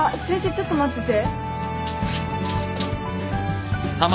ちょっと待ってて。